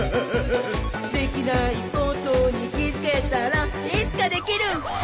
「できないことにきづけたらいつかできるひゃっほ」